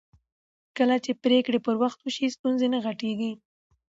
کله چې پرېکړې پر وخت وشي ستونزې نه غټېږي